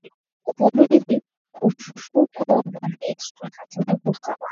kuhubiri ufufuko wa Bwana Yesu na hatimaye kugusa watu